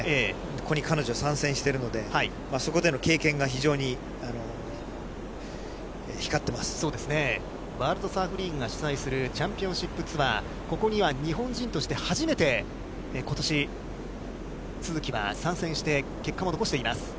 ここに彼女参戦してるので、ワールドサーフリーグが主催するチャンピオンシップツアー、ここには日本人として初めて、ことし都筑は参戦して、結果も残しています。